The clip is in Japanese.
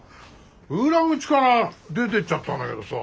裏口から出てっちゃったんだけどさ。